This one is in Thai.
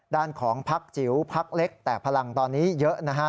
ด้านของพักจิ๋วพักเล็กแต่พลังตอนนี้เยอะนะฮะ